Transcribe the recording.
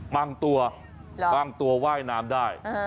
บางตัวบางตัวว่ายน้ำได้